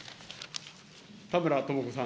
田村智子さん。